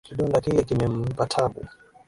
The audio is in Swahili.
Kidonda kile kimempa taabu.